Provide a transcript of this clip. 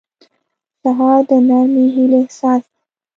سهار د نرمې هیلې احساس دی.